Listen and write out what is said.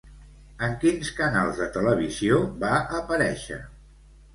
En quins canals de televisió va aparèixer?